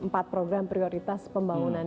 empat program prioritas pembangunan